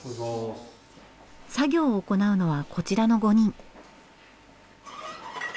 作業を行うのはこちらの５人。